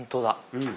うん。